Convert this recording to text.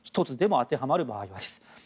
１つでも当てはまる場合はです。